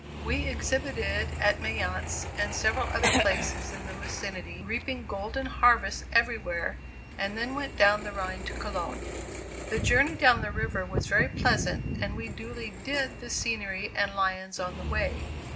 We exhibited at Mayence and several other places in the vicinity, reaping golden harvests everywhere, and then went down the Rhine to Cologne. The journey down the river was very pleasant and we duly "did" the scenery and lions on the way.